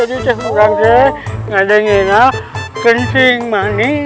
itu buka yuk buka